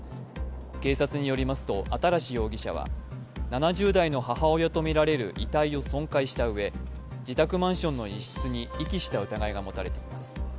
警察によりますと、新容疑者は７０代の母親とみられる遺体を損壊したうえ、自宅マンションの一室に遺棄した疑いが持たれています。